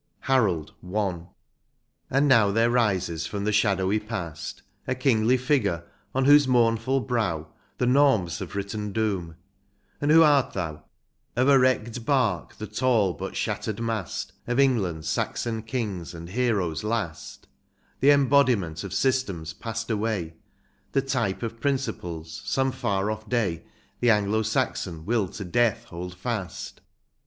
189 XCIV. HAROLD. — I. And now there rises from the shadowy past A kingly figure, on whose mournful brow The Noms have written doom, — and who art thou? " Of a wrecked bark the tall but shattered ma^t Of England's Saxon kings and heroes, last, The embodiment of systems passed away, The type of principles, some far oflF day. The Anglo Saxon will to death hold fast."